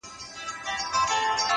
د فکر روڼتیا د ژوند لار اسانه کوي؛